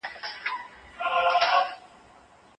ایډیالوژیک بندیزونه د فکر د ازادۍ مخه نیسي.